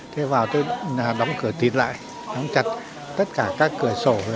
thế vào tôi đóng cửa tin lại đóng chặt tất cả các cửa sổ